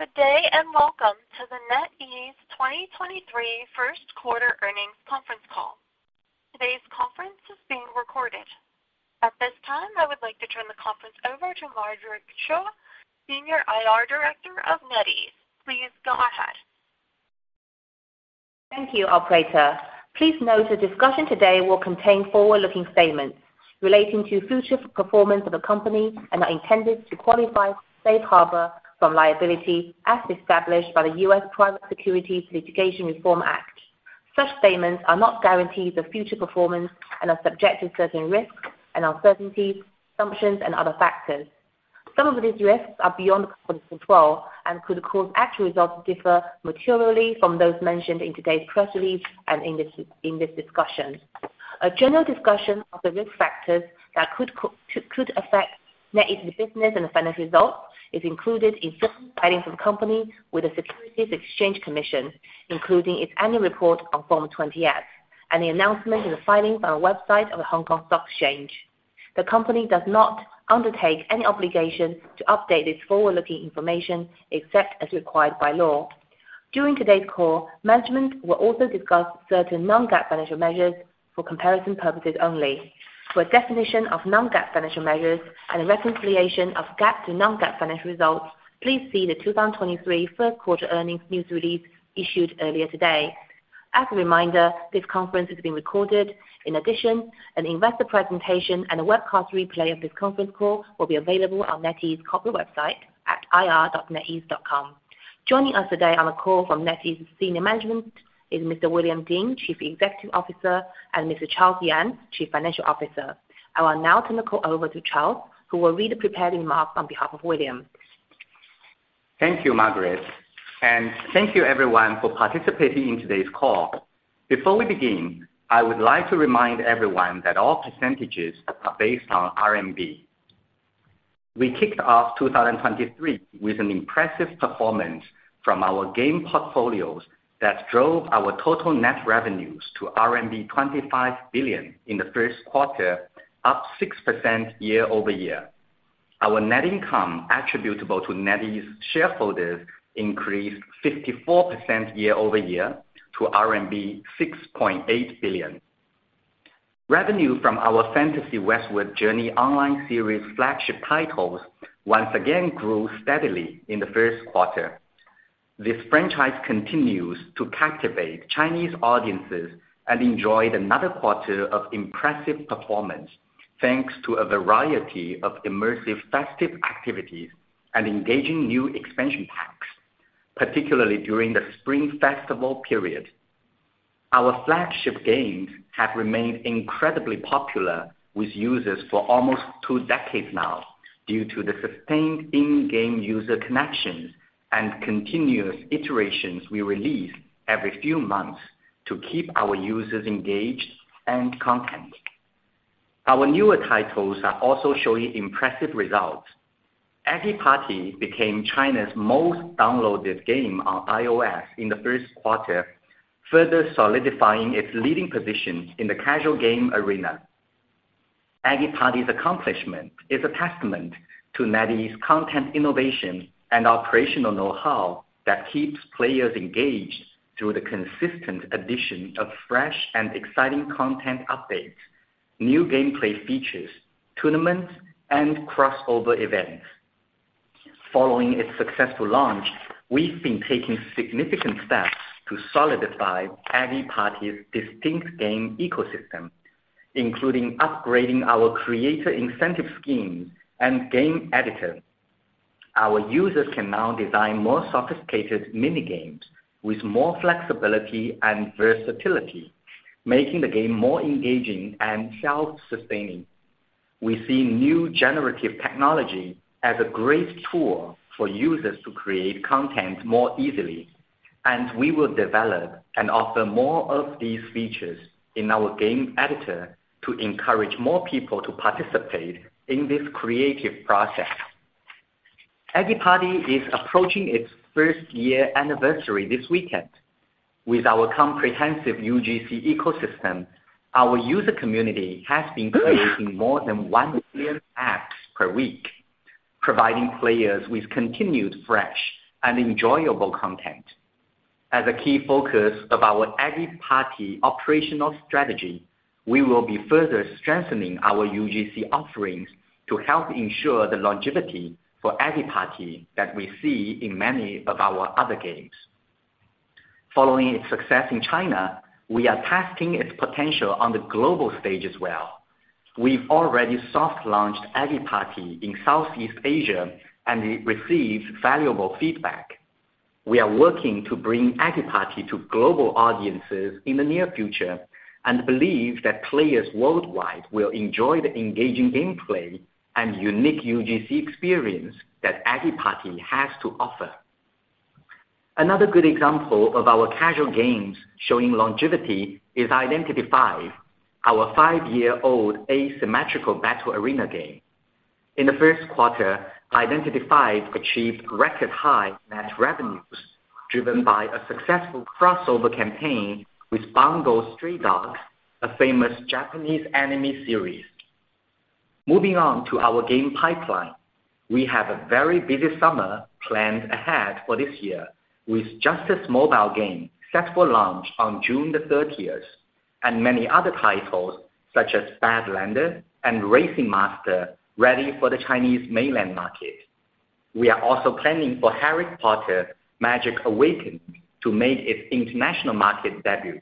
Good day, and welcome to the NetEase 2023 First-quarter earnings conference call. Today's conference is being recorded. At this time, I would like to turn the conference over to Margaret Shi, Senior IR Director of NetEase. Please go ahead. Thank you, operator. Please note the discussion today will contain forward-looking statements relating to future performance of the company, and are intended to qualify safe harbor from liability as established by the U.S. Private Securities Litigation Reform Act. Such statements are not guarantees of future performance and are subject to certain risks and uncertainties, assumptions, and other factors. Some of these risks are beyond the company's control and could cause actual results to differ materially from those mentioned in today's press release and in this discussion. A general discussion of the risk factors that could affect NetEase business and the financial results is included in certain filings of the company with the Securities and Exchange Commission, including its annual report on Form 20-F, and the announcement in the filing on our website of the Hong Kong Stock Exchange. The company does not undertake any obligation to update this forward-looking information, except as required by law. During today's call, management will also discuss certain non-GAAP financial measures for comparison purposes only. For a definition of non-GAAP financial measures and a reconciliation of GAAP to non-GAAP financial results, please see the 2023 first quarter earnings news release issued earlier today. As a reminder, this conference is being recorded. An investor presentation and a webcast replay of this conference call will be available on NetEase corporate website at ir.netease.com. Joining us today on the call from NetEase's senior management is Mr. William Ding, Chief Executive Officer, and Mr. Charles Yang, Chief Financial Officer. I will now turn the call over to Charles, who will read a prepared remark on behalf of William. Thank you, Margaret, and thank you everyone for participating in today's call. Before we begin, I would like to remind everyone that all percentages are based on RMB. We kicked off 2023 with an impressive performance from our game portfolios that drove our total net revenues to RMB 25 billion in the first quarter, up 6% year-over-year. Our net income attributable to NetEase shareholders increased 54% year-over-year to RMB 6.8 billion. Revenue from our Fantasy Westward Journey online series flagship titles once again grew steadily in the first quarter. This franchise continues to captivate Chinese audiences and enjoyed another quarter of impressive performance, thanks to a variety of immersive festive activities and engaging new expansion packs, particularly during the Spring Festival period. Our flagship games have remained incredibly popular with users for almost two decades now, due to the sustained in-game user connections and continuous iterations we release every few months to keep our users engaged and content. Our newer titles are also showing impressive results. Eggy Party became China's most downloaded game on iOS in the first quarter, further solidifying its leading position in the casual game arena. Eggy Party's accomplishment is a testament to NetEase content innovation and operational know-how that keeps players engaged through the consistent addition of fresh and exciting content updates, new gameplay features, tournaments, and crossover events. Following its successful launch, we've been taking significant steps to solidify Eggy Party's distinct game ecosystem, including upgrading our creator incentive schemes and game editor. Our users can now design more sophisticated mini-games with more flexibility and versatility, making the game more engaging and self-sustaining. We see new generative technology as a great tool for users to create content more easily. We will develop and offer more of these features in our game editor to encourage more people to participate in this creative process. Eggy Party is approaching its first year anniversary this weekend. With our comprehensive UGC ecosystem, our user community has been creating more than 1 million apps per week, providing players with continued fresh and enjoyable content. As a key focus of our Eggy Party operational strategy, we will be further strengthening our UGC offerings to help ensure the longevity for Eggy Party that we see in many of our other games. Following its success in China, we are testing its potential on the global stage as well. We've already soft-launched Eggy Party in Southeast Asia. It received valuable feedback. We are working to bring Eggy Party to global audiences in the near future, and believe that players worldwide will enjoy the engaging gameplay and unique UGC experience that Eggy Party has to offer. Another good example of our casual games showing longevity is Identity V, our five-year-old asymmetrical battle arena game. In the first quarter, Identity V achieved record-high net revenues, driven by a successful crossover campaign with Bungo Stray Dogs, a famous Japanese anime series. Moving on to our game pipeline, we have a very busy summer planned ahead for this year, with Justice Mobile game set for launch on June the 30th, and many other titles such as Badlanders and Racing Master, ready for the Chinese Mainland market. We are also planning for Harry Potter: Magic Awakened to make its international market debut.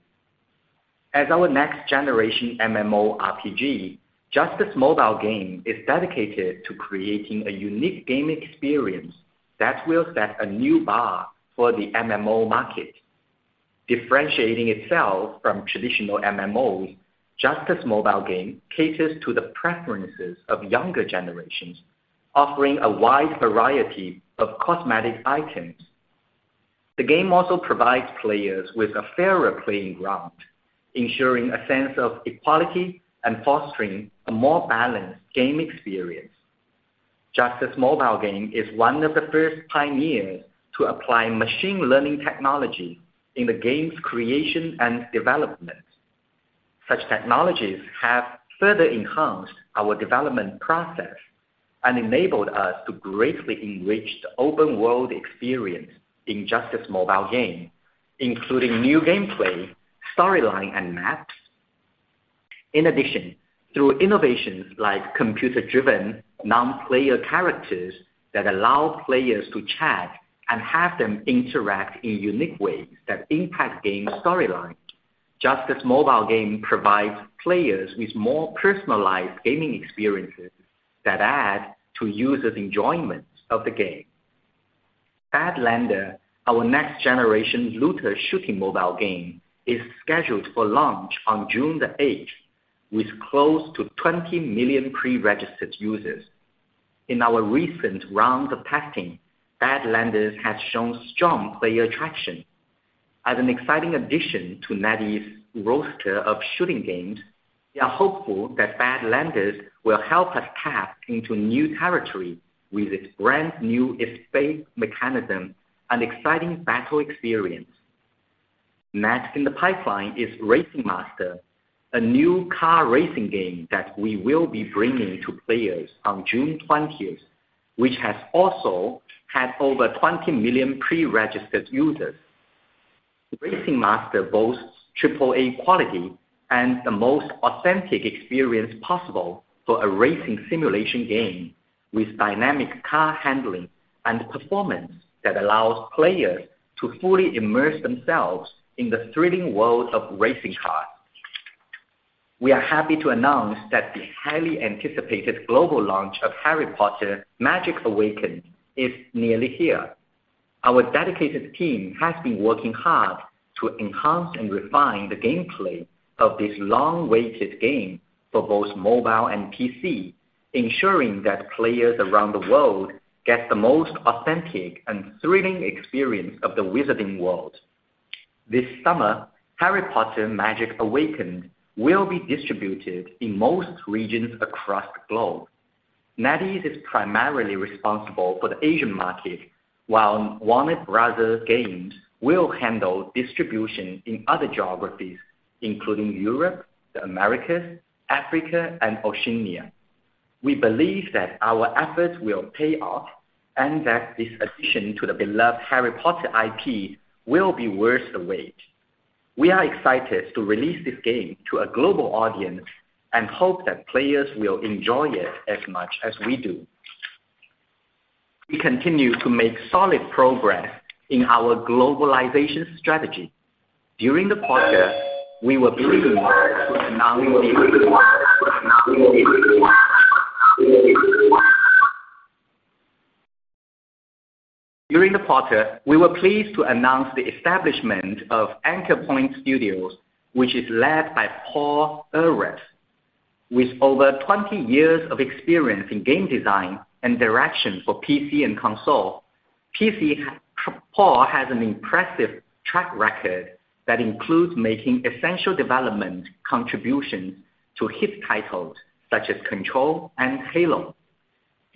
As our next-generation MMORPG, Justice Mobile game is dedicated to creating a unique game experience that will set a new bar for the MMO market. Differentiating itself from traditional MMOs, Justice Mobile game caters to the preferences of younger generations, offering a wide variety of cosmetic items. The game also provides players with a fairer playing ground, ensuring a sense of equality and fostering a more balanced game experience. Justice Mobile game is one of the first pioneers to apply machine learning technology in the game's creation and development. Such technologies have further enhanced our development process and enabled us to greatly enrich the open world experience in Justice Mobile game, including new gameplay, storyline, and maps. In addition, through innovations like computer-driven non-player characters that allow players to chat and have them interact in unique ways that impact game storylines, Justice Mobile game provides players with more personalized gaming experiences that add to users' enjoyment of the game. Badlanders, our next-generation looter shooting mobile game, is scheduled for launch on June 8th, with close to 20 million pre-registered users. In our recent round of testing, Badlanders has shown strong player attraction. As an exciting addition to NetEase's roster of shooting games, we are hopeful that Badlanders will help us tap into new territory with its brand new escape mechanism and exciting battle experience. Next in the pipeline is Racing Master, a new car racing game that we will be bringing to players on June 20th, which has also had over 20 million pre-registered users. Racing Master boasts AAA quality and the most authentic experience possible for a racing simulation game, with dynamic car handling and performance that allows players to fully immerse themselves in the thrilling world of racing cars. We are happy to announce that the highly anticipated global launch of Harry Potter: Magic Awakened is nearly here. Our dedicated team has been working hard to enhance and refine the gameplay of this long-awaited game for both mobile and PC, ensuring that players around the world get the most authentic and thrilling experience of the wizarding world. This summer, Harry Potter: Magic Awakened will be distributed in most regions across the globe. NetEase is primarily responsible for the Asian market, while Warner Bros. Games will handle distribution in other geographies, including Europe, the Americas, Africa, and Oceania. We believe that our efforts will pay off and that this addition to the beloved Harry Potter IP will be worth the wait. We are excited to release this game to a global audience and hope that players will enjoy it as much as we do. We continue to make solid progress in our globalization strategy. During the quarter, we were pleased to announce the establishment of Anchor Point Studios, which is led by Paul Ehreth. With over 20 years of experience in game design and direction for PC and console, Paul has an impressive track record that includes making essential development contributions to hit titles such as Control and Halo.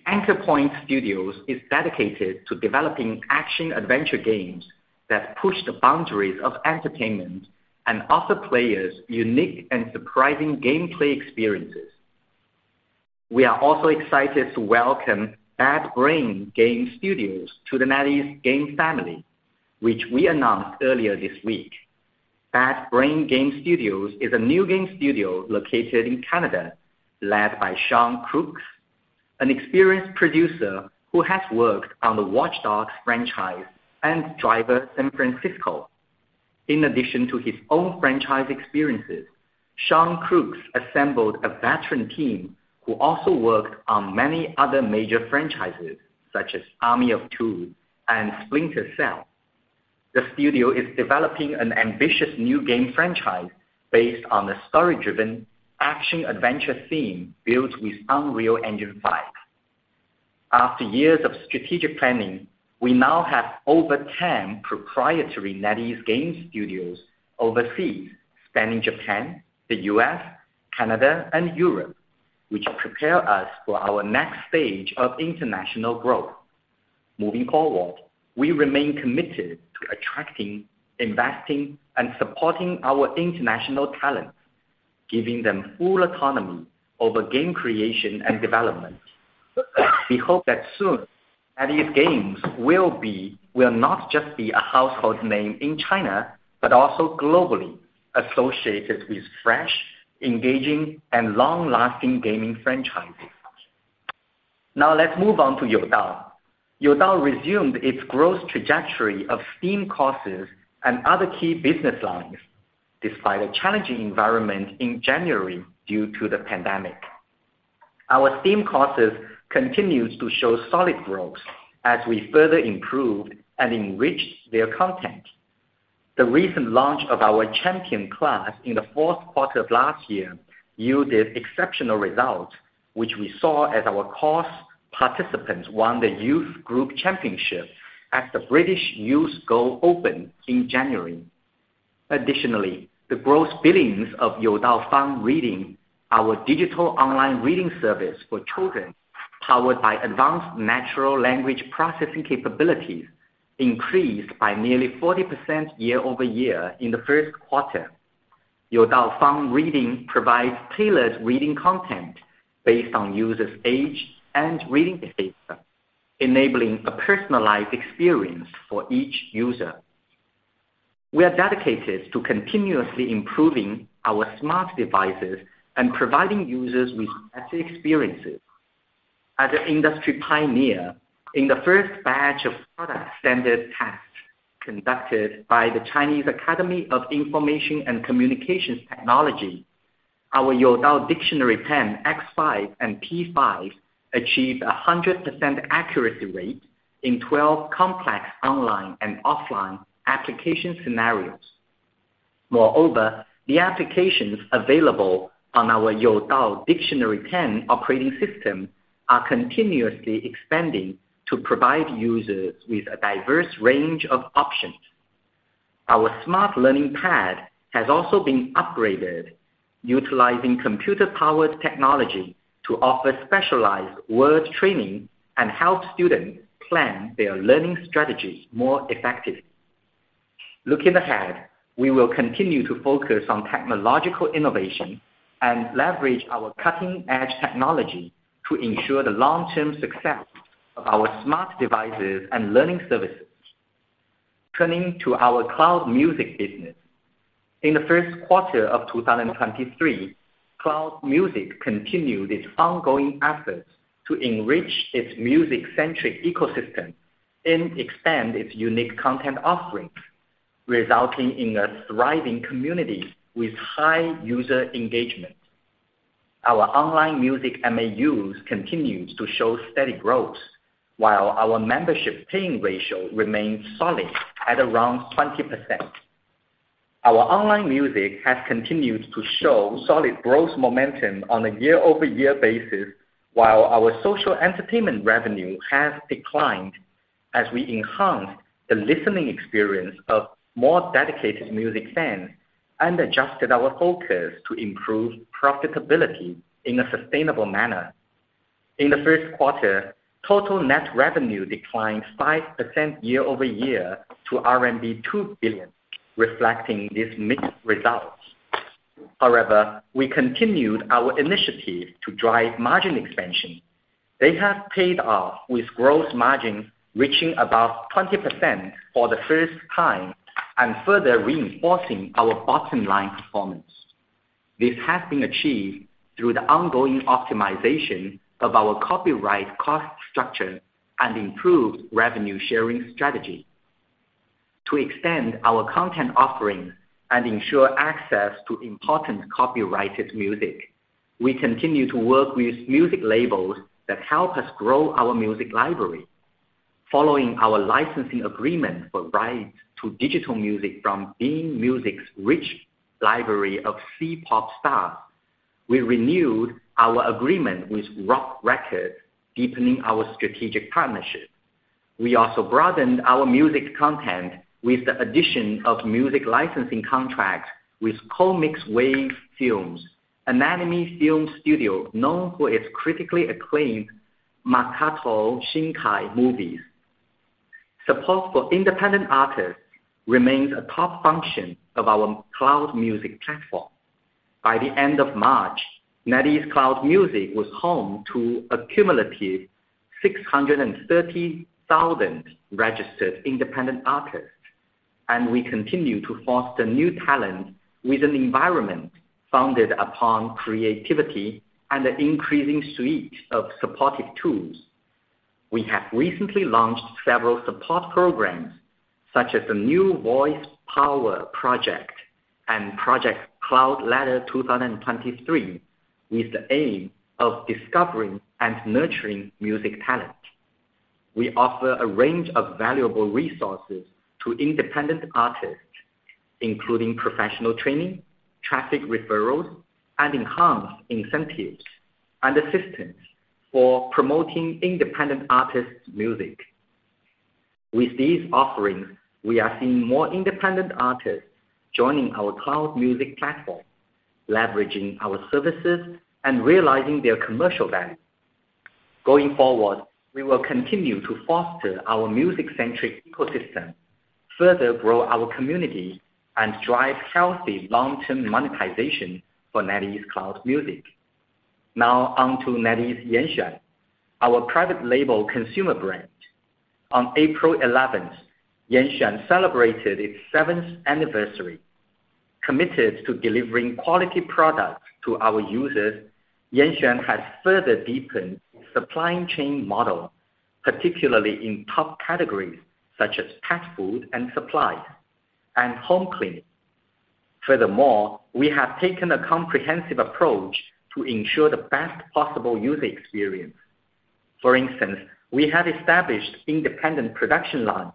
Anchor Point Studios is dedicated to developing action-adventure games that push the boundaries of entertainment and offer players unique and surprising gameplay experiences. We are also excited to welcome Bad Brain Game Studios to the NetEase Games family, which we announced earlier this week. Bad Brain Game Studios is a new game studio located in Canada, led by Sean Crooks, an experienced producer who has worked on the Watch Dogs franchise and Driver: San Francisco. In addition to his own franchise experiences, Sean Crooks assembled a veteran team who also worked on many other major franchises, such as Army of Two and Splinter Cell. The studio is developing an ambitious new game franchise based on the story-driven action-adventure theme built with Unreal Engine 5. After years of strategic planning, we now have over 10 proprietary NetEase Games studios overseas, spanning Japan, the U.S., Canada, and Europe, which prepare us for our next stage of international growth. Moving forward, we remain committed to attracting, investing, and supporting our international talents, giving them full autonomy over game creation and development. We hope that soon, NetEase Games will not just be a household name in China, but also globally associated with fresh, engaging, and long-lasting gaming franchises. Now, let's move on to Youdao. Youdao resumed its growth trajectory of themed courses and other key business lines, despite a challenging environment in January due to the pandemic. Our themed courses continues to show solid growth as we further improve and enrich their content. The recent launch of our Champion Class in the fourth quarter of last year yielded exceptional results, which we saw as our course participants won the Youth Group Championship at the British Youth Go Open in January. The gross billings of Youdao Fun Reading, our digital online reading service for children, powered by advanced natural language processing capabilities, increased by nearly 40% year-over-year in the first quarter. Youdao Fun Reading provides tailored reading content based on users' age and reading behavior, enabling a personalized experience for each user. We are dedicated to continuously improving our smart devices and providing users with better experiences. As an industry pioneer, in the first batch of product standard tests conducted by the Chinese Academy of Information and Communications Technology, our Youdao Dictionary Pen X5 and P5 achieved a 100% accuracy rate in 12 complex online and offline application scenarios. The applications available on our Youdao Dictionary Pen operating system are continuously expanding to provide users with a diverse range of options. Our smart learning pad has also been upgraded, utilizing computer-powered technology to offer specialized word training and help students plan their learning strategies more effectively. Looking ahead, we will continue to focus on technological innovation and leverage our cutting-edge technology to ensure the long-term success of our smart devices and learning services. Turning to our Cloud Music business. In the first quarter of 2023, Cloud Music continued its ongoing efforts to enrich its music-centric ecosystem and expand its unique content offerings, resulting in a thriving community with high user engagement. Our online music MAUs continues to show steady growth, while our membership paying ratio remains solid at around 20%. Our online music has continued to show solid growth momentum on a year-over-year basis, while our social entertainment revenue has declined as we enhanced the listening experience of more dedicated music fans and adjusted our focus to improve profitability in a sustainable manner. In the first quarter, total net revenue declined 5% year-over-year to RMB 2 billion, reflecting these mixed results. We continued our initiative to drive margin expansion. They have paid off with gross margin reaching above 20% for the first time and further reinforcing our bottom line performance. This has been achieved through the ongoing optimization of our copyright cost structure and improved revenue sharing strategy. To extend our content offerings and ensure access to important copyrighted music, we continue to work with music labels that help us grow our music library. Following our licensing agreement for rights to digital music from B'in Music's rich library of C-pop stars, we renewed our agreement with Rock Records, deepening our strategic partnership. We also broadened our music content with the addition of music licensing contracts with CoMix Wave Films, an anime film studio known for its critically acclaimed Makoto Shinkai movies. Support for independent artists remains a top function of our Cloud Music platform. By the end of March, NetEase Cloud Music was home to a cumulative 630,000 registered independent artists, and we continue to foster new talent with an environment founded upon creativity and an increasing suite of supportive tools. We have recently launched several support programs, such as the New Voice Power Project and Project Cloud Ladder 2023, with the aim of discovering and nurturing music talent. We offer a range of valuable resources to independent artists, including professional training, traffic referrals, and enhanced incentives and assistance for promoting independent artists' music. With these offerings, we are seeing more independent artists joining our Cloud Music platform, leveraging our services and realizing their commercial value. Going forward, we will continue to foster our music-centric ecosystem, further grow our community, and drive healthy long-term monetization for NetEase Cloud Music. Now on to NetEase Yanxuan, our private label consumer brand. On April 11th, Yanxuan celebrated its seventh anniversary. Committed to delivering quality products to our users, Yanxuan has further deepened its supply chain model, particularly in top categories such as pet food and supplies, and home cleaning. Furthermore, we have taken a comprehensive approach to ensure the best possible user experience. For instance, we have established independent production lines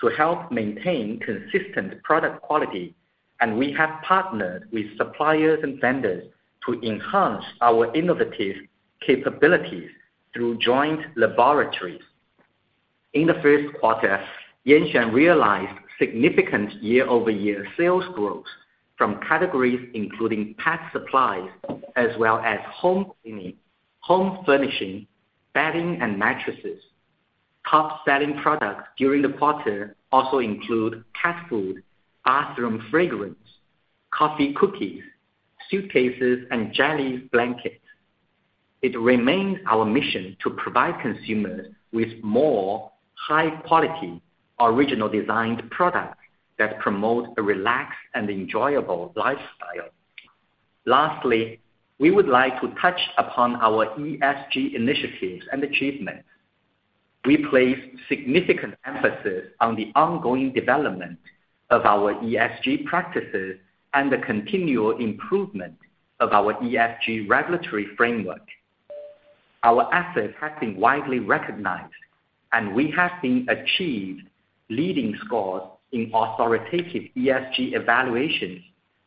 to help maintain consistent product quality, and we have partnered with suppliers and vendors to enhance our innovative capabilities through joint laboratories. In the first quarter, Yanxuan realized significant year-over-year sales growth from categories including pet supplies as well as home cleaning, home furnishing, bedding, and mattresses. Top-selling products during the quarter also include cat food, bathroom fragrance, coffee cookies, suitcases, and jelly blankets. It remains our mission to provide consumers with more high-quality, original designed products that promote a relaxed and enjoyable lifestyle. Lastly, we would like to touch upon our ESG initiatives and achievements. We place significant emphasis on the ongoing development of our ESG practices and the continual improvement of our ESG regulatory framework. Our assets have been widely recognized, and we have been achieved leading scores in authoritative ESG evaluations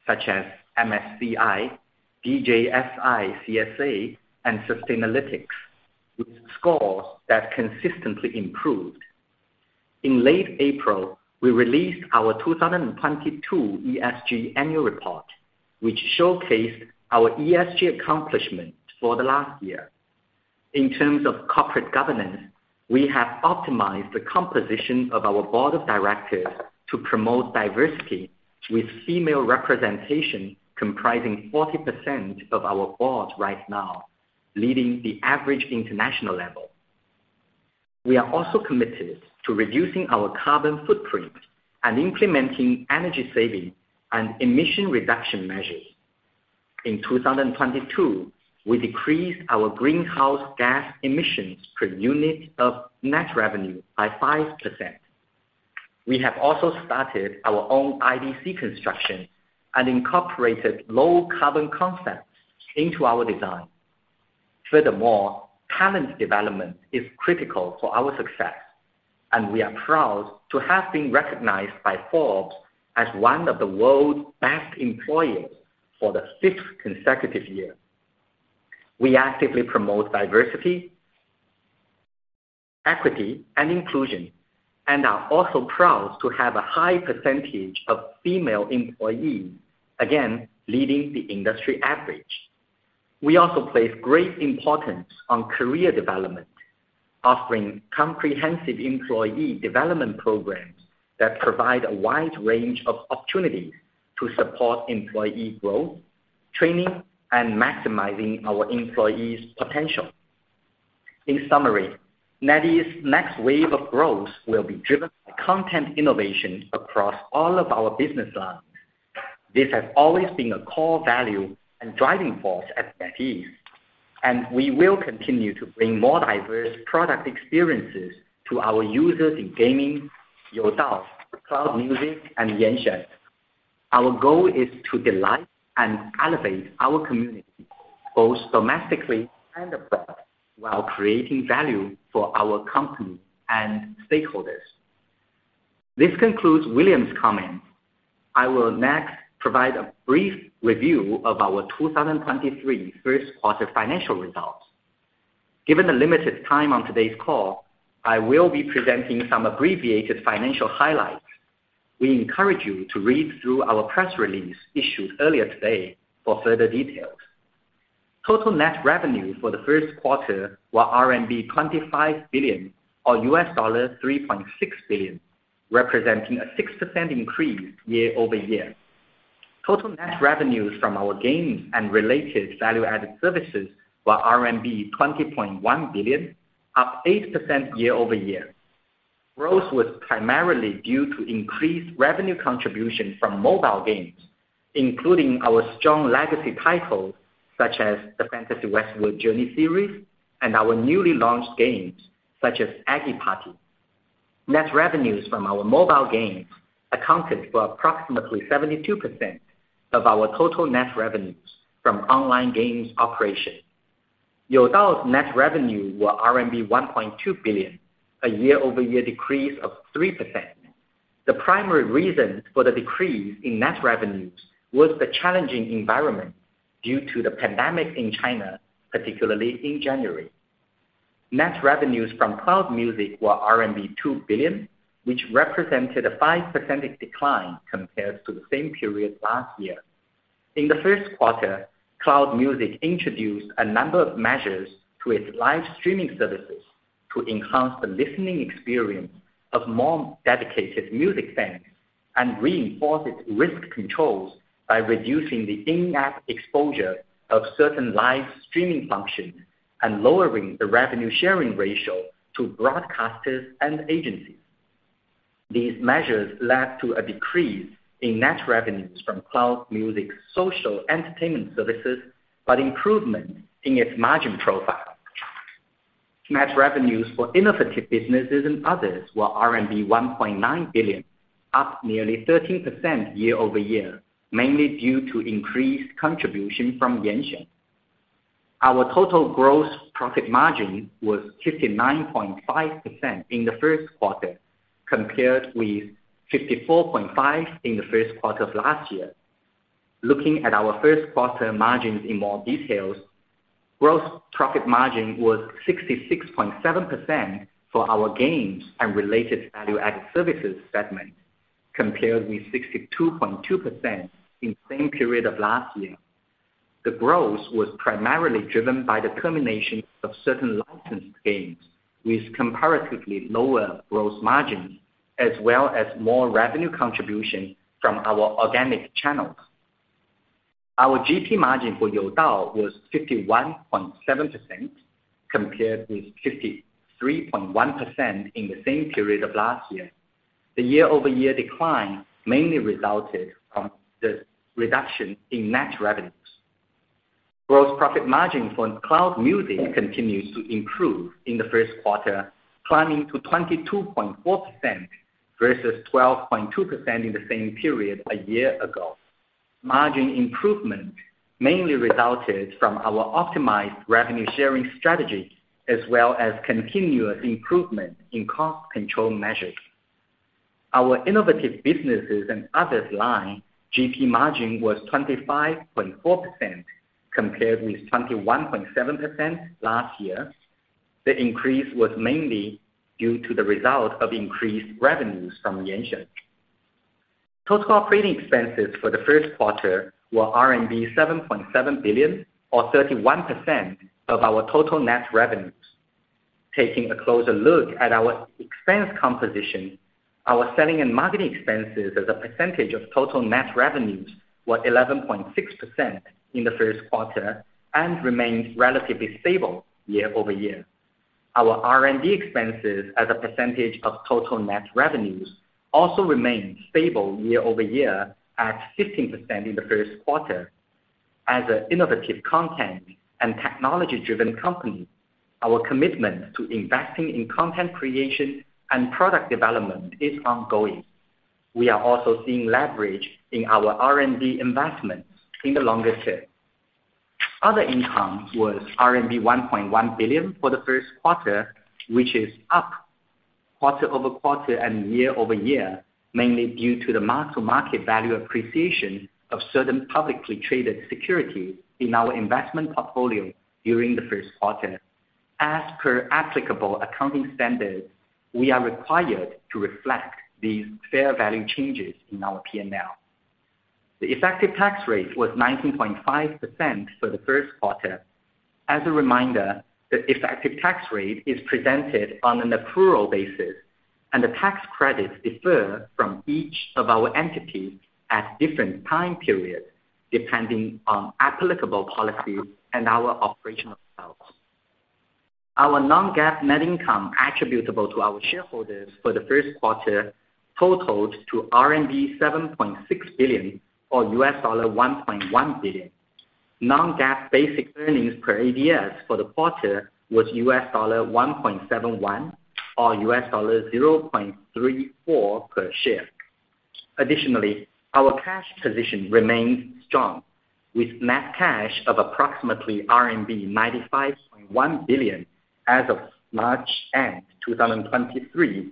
such as MSCI, DJSI CSA, and Sustainalytics, with scores that consistently improved. In late April, we released our 2022 ESG annual report, which showcased our ESG accomplishments for the last year. In terms of corporate governance, we have optimized the composition of our board of directors to promote diversity, with female representation comprising 40% of our board right now, leading the average international level. We are also committed to reducing our carbon footprint and implementing energy-saving and emission-reduction measures. In 2022, we decreased our greenhouse gas emissions per unit of net revenue by 5%. We have also started our own IDC construction and incorporated low-carbon concepts into our design. Talent development is critical for our success, and we are proud to have been recognized by Forbes as one of the world's best employers for the fifth consecutive year. We actively promote diversity, equity, and inclusion, and are also proud to have a high % of female employees, again, leading the industry average. We also place great importance on career development, offering comprehensive employee development programs that provide a wide range of opportunities to support employee growth, training, and maximizing our employees' potential. In summary, NetEase's next wave of growth will be driven by content innovation across all of our business lines. This has always been a core value and driving force at NetEase, and we will continue to bring more diverse product experiences to our users in gaming, Youdao, Cloud Music, and Yanxuan. Our goal is to delight and elevate our community, both domestically and abroad, while creating value for our company and stakeholders. This concludes William's comments. I will next provide a brief review of our 2023 first-quarter financial results. Given the limited time on today's call, I will be presenting some abbreviated financial highlights. We encourage you to read through our press release issued earlier today for further details. Total net revenue for the first quarter was RMB 25 billion, or $3.6 billion, representing a 6% increase year-over-year. Total net revenues from our games and related value-added services were RMB 20.1 billion, up 8% year-over-year. Growth was primarily due to increased revenue contribution from mobile games, including our strong legacy titles such as the Fantasy Westward Journey series and our newly launched games, such as Eggy Party. Net revenues from our mobile games accounted for approximately 72% of our total net revenues from online games operation. Youdao's net revenue were RMB 1.2 billion, a year-over-year decrease of 3%. The primary reason for the decrease in net revenues was the challenging environment due to the pandemic in China, particularly in January. Net revenues from Cloud Music were RMB 2 billion, which represented a 5% decline compared to the same period last year. In the first quarter, Cloud Music introduced a number of measures to its live streaming services to enhance the listening experience of more dedicated music fans, and reinforced its risk controls by reducing the in-app exposure of certain live streaming functions and lowering the revenue sharing ratio to broadcasters and agencies. These measures led to a decrease in net revenues from Cloud Music social entertainment services, but improvement in its margin profile. Net revenues for innovative businesses and others were RMB 1.9 billion, up nearly 13% year-over-year, mainly due to increased contribution from Yanxuan. Our total gross profit margin was 59.5% in the first quarter, compared with 54.5% in the first quarter of last year. Looking at our first quarter margins in more details, gross profit margin was 66.7% for our games and related value-added services segment, compared with 62.2% in the same period of last year. The growth was primarily driven by the termination of certain licensed games with comparatively lower gross margins, as well as more revenue contribution from our organic channels. Our GP margin for Youdao was 51.7%, compared with 53.1% in the same period of last year. The year-over-year decline mainly resulted from the reduction in net revenues. Gross profit margin for Cloud Music continues to improve in the first quarter, climbing to 22.4% versus 12.2% in the same period a year ago. Margin improvement mainly resulted from our optimized revenue-sharing strategy, as well as continuous improvement in cost-control measures. Our innovative businesses and others' line GP margin was 25.4%, compared with 21.7% last year. The increase was mainly due to the result of increased revenues from Yanxuan. Total operating expenses for the first quarter were RMB 7.7 billion, or 31% of our total net revenues. Taking a closer look at our expense composition, our selling and marketing expenses as a percentage of total net revenues were 11.6% in the first quarter and remained relatively stable year-over-year. Our R&D expenses as a percentage of total net revenues also remained stable year-over-year at 15% in the first quarter. As an innovative, content and technology-driven company, our commitment to investing in content creation and product development is ongoing. We are also seeing leverage in our R&D investments in the longer term. Other income was RMB 1.1 billion for the first quarter, which is up quarter-over-quarter and year-over-year, mainly due to the mark-to-market value appreciation of certain publicly traded securities in our investment portfolio during the first quarter. As per applicable accounting standards, we are required to reflect these fair value changes in our P&L. The effective tax rate was 19.5% for the first quarter. As a reminder, the effective tax rate is presented on an accrual basis, and the tax credits defer from each of our entities at different time periods, depending on applicable policies and our operational styles. Our non-GAAP net income attributable to our shareholders for the first quarter totaled to RMB 7.6 billion, or $1.1 billion. Non-GAAP basic earnings per ADS for the quarter was $1.71 or $0.34 per share. Our cash position remains strong, with net cash of approximately RMB 95.1 billion as of March end, 2023,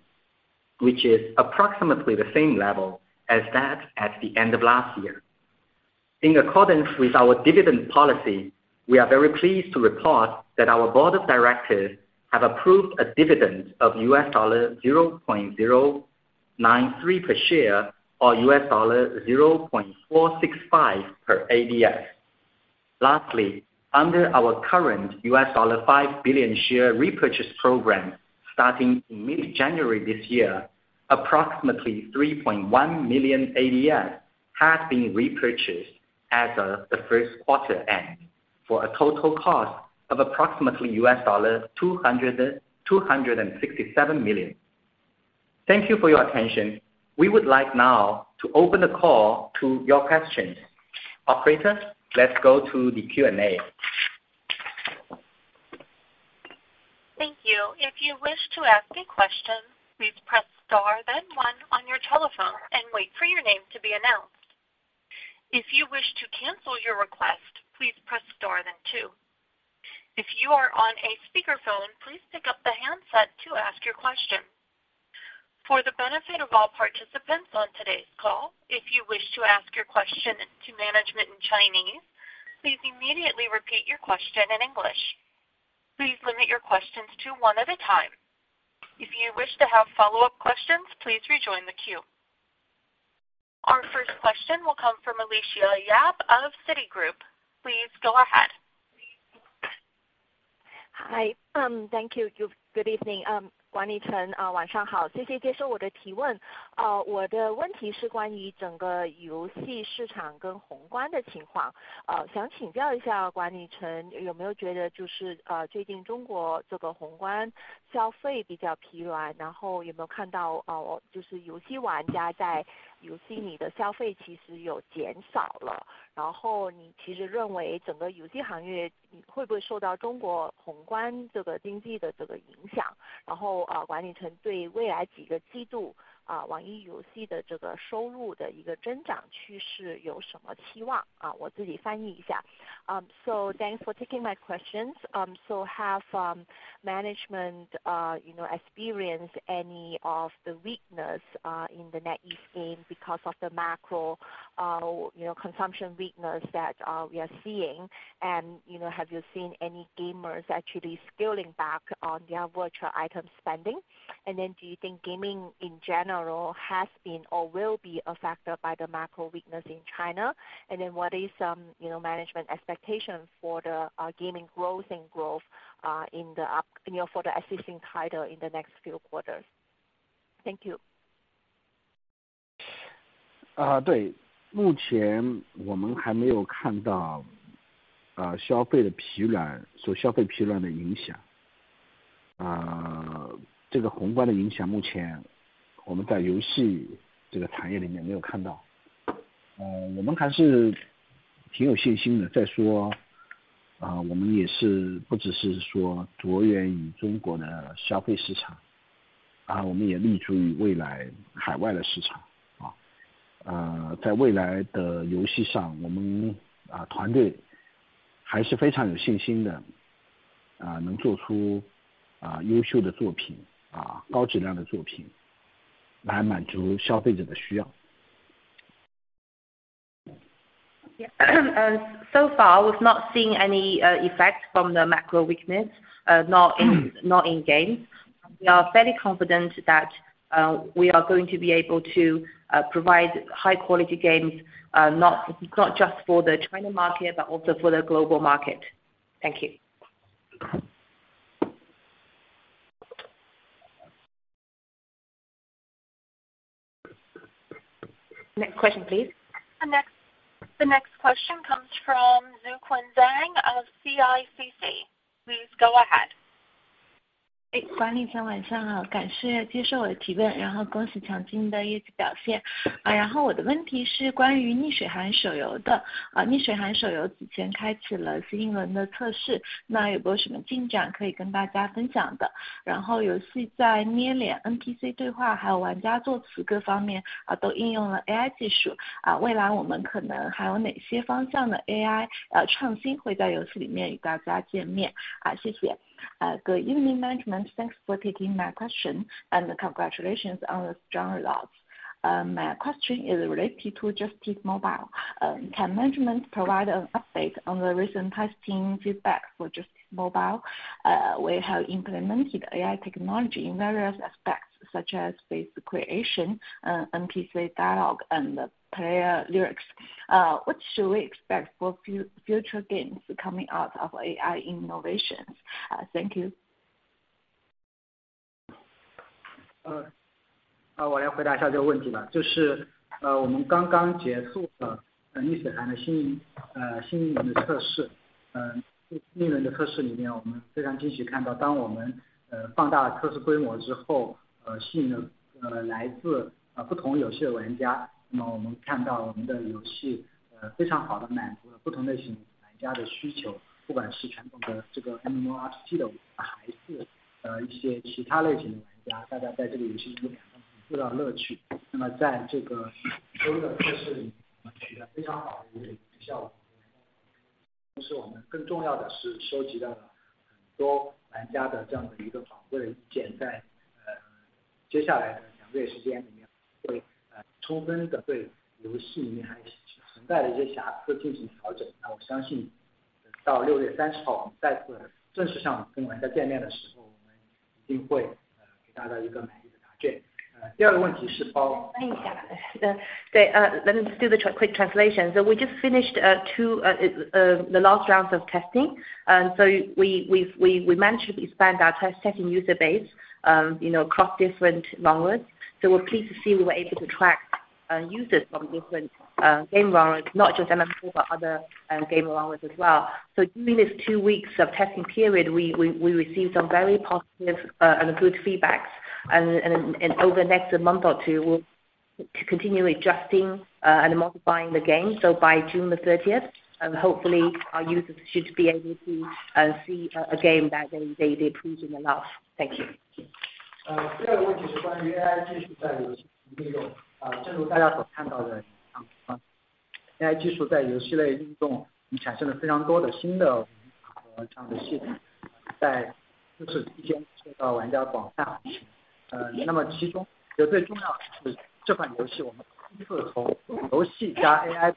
which is approximately the same level as that at the end of last year. In accordance with our dividend policy, we are very pleased to report that our board of directors have approved a dividend of $0.093 per share, or $0.465 per ADS. Under our current $5 billion share repurchase program starting in mid-January this year, approximately 3.1 million ADS has been repurchased as of the first quarter end, for a total cost of approximately $267 million. Thank you for your attention. We would like now to open the call to your questions. Operator, let's go to the Q&A. Thank you. If you wish to ask a question, please press star then one on your telephone and wait for your name to be announced. If you wish to cancel your request, please press star then two. If you are on a speakerphone, please pick up the handset to ask your question. For the benefit of all participants on today's call, if you wish to ask your question to management in Chinese, please immediately repeat your question in English. Please limit your questions to one at a time. If you wish to have follow-up questions, please rejoin the queue. Our first question will come from Alicia Yap of Citigroup. Please go ahead. Hi, thank you. Good evening. 管理层晚上 好， 谢谢接受我的提 问， 我的问题是关于整个游戏市场跟宏观的情 况， 想请教一下管理 层， 有没有觉得就 是， 最近中国这个宏观消费比较疲 软， 然后有没有看 到， 就是游戏玩家在游戏里的消费其实有减少 了， 然后你其实认为整个游戏行业会不会受到中国宏观这个经济的这个影 响？ 然 后， 管理层对未来几个季度，网易游戏的这个收入的一个增长趋势有什么期 望？ 我自己翻译一下。Thanks for taking my questions. Have management, you know, experienced any of the weakness in the NetEase Games because of the macro, you know, consumption weakness that we are seeing? You know, have you seen any gamers actually scaling back on their virtual item spending? Do you think gaming in general has been or will be affected by the macro weakness in China? What is, you know, management expectations for the gaming growth and growth in the, you know, for the existing title in the next few quarters? Thank you. 啊， 对， 目前我们还没有看 到， 呃， 消费的疲 软， 所消费疲软的影 响， 啊， 这个宏观的影 响， 目前我们在游戏这个行业里面没有看 到， 呃， 我们还是挺有信心的。再 说， 啊， 我们也是不只是说着眼于中国的消费市 场， 啊， 我们也立足于未来海外的市 场， 啊。呃， 在未来的游戏 上， 我 们， 啊， 团队还是非常有信心 的， 啊， 能做 出， 啊， 优秀的作 品， 啊， 高质量的作品，来满足消费者的需要。So far, we've not seen any effect from the macro weakness, not in games. We are very confident that we are going to be able to provide high-quality games, not just for the China market, but also for the global market. Thank you. Next question, please. The next question comes from Xueqing Zhang of CICC. Please go ahead. 诶， 管理层晚上 好， 感谢接受我的提 问， 然后恭喜强劲的业绩表现。啊， 然后我的问题是关于逆水寒手游 的， 啊， 逆水寒手游之前开启了新一轮的测 试， 那有没有什么进展可以跟大家分享 的？ 然后游戏在捏脸 ，NPC 对 话， 还有玩家做词各方 面， 啊， 都应用了 AI 技 术， 啊， 未来我们可能还有哪些方向的 AI， 呃， 创新会在游戏里面与大家见面。好， 谢谢。Good evening, management, thanks for taking my question, and congratulations on the strong results. My question is related to Justice Mobile. Can management provide an update on the recent testing feedback for Justice Mobile? We have implemented AI technology in various aspects, such as face creation, NPC dialogue, and player lyrics. What should we expect for future games coming out of AI innovations? Thank you. 我来回答一下这个问题吧。我们刚刚结束了逆水寒的新一轮的测试。那一轮的测试里 面， 我们非常惊喜地看 到， 当我们放大了测试规模之 后， 吸引了来自不同游戏的玩 家， 我们看到我们的游戏非常好地满足了不同类型玩家的需 求， 不管是传统的这个 MMORPG 的， 还是一些其他类型的玩 家， 大家在这个游戏里面都得到了乐趣。在这个新的测试 里， 我们取得非常好的一个效 果， 就是我们更重要的是收集到了很多玩家的这样的一个反馈意 见， 在接下来的2 months 时间里 面， 会充分地对游戏里面还存在的一些瑕疵进行调整。我相信到 June 30， 我们再次正式上跟玩家见面的时 候， 我们一定会给大家一个满意的答卷。second 个问题是。翻译一下。Let me just do the quick translation. We just finished two the last rounds of testing, and we managed to expand our testing user base, you know, across different onwards. We're pleased to see we were able to track users from different game onwards, not just MMO, but other game onwards as well. During these two weeks of testing period, we received some very positive and good feedbacks, and over the next month or two, we'll to continue adjusting and modifying the game. By June the 30th, hopefully our users should be able to see a game that they approve and love. Thank you. 呃， 第二个问题是关于 AI 技术在游戏中的应用。啊， 正如大家所看到 的， 啊 ，AI 技术在游戏类应用已经产生了非常多的新的玩法和系 统， 在就是一天受到玩家的广泛欢迎。呃， 那么其中的最重要的是这款游 戏， 我们是从游戏加 AI